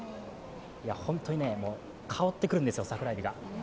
本当に香ってくるんですよ、桜えびが。